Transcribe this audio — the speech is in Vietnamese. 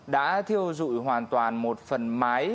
đã thiêu dụi hoàn toàn một phần mái